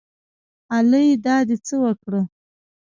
الۍ دا دې څه وکړه